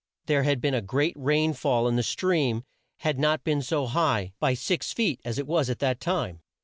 There had been a great rain fall and the stream had not been so high, by six feet, as it was at that time.